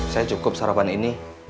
saya cukup sarapan ini